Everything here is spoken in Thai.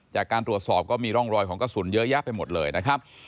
จากการตรวจสอบก็มีร่องรอยของกระสุนเยอะแยะไปหมดเลยนะครับ